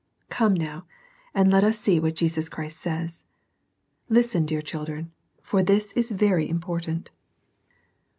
Come, now, and let us see what Jesus Christ says ;— listen, dear children, for this is very important.